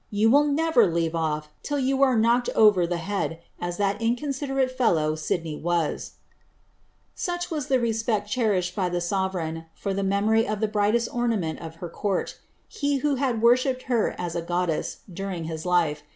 — you will never leave ofl^ till you are knocked over die head, as that inconsiderate fellow Sidney was," * Such was the respcrl cherished by the sovereign, for the memory of the brightest ornament of her conrt — he who bad worshipped her as a goddess, during his lift.